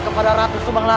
kepada ayah anda